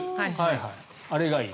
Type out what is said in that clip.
あれがいい。